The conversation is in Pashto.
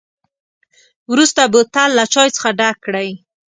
وروسته بوتل له چای څخه ډک کړئ.